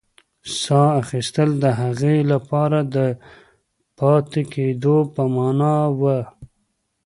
ساه اخیستل د هغې لپاره د پاتې کېدو په مانا وه.